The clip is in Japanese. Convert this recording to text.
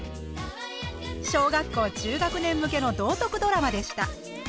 小学校中学年向けの道徳ドラマでした。